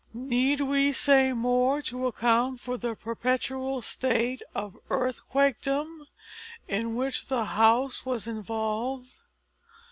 Need we say more to account for the perpetual state of earthquakedom, in which that house was involved?